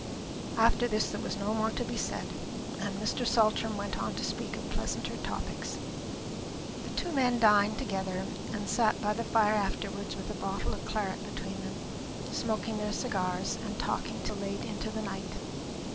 After this there was no more to be said, and Mr. Saltram went on to speak of pleasanter topics. The two men dined together, and sat by the fire afterwards with a bottle of claret between them, smoking their cigars, and talking till late into the night.